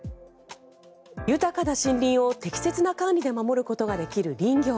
豊かな森林を適切な管理で守ることができる林業。